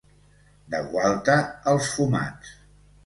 De Gualta, els fumats.